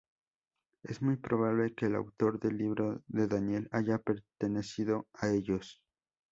Es muy probable que el autor del libro de Daniel haya pertenecido a ellos.